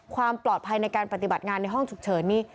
ความปลอดภัยในการปฏิบัติงานในห้องฉุกเฉินนี่